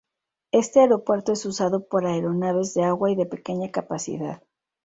Este aeropuerto es usado por aeronaves de agua y de pequeña capacidad.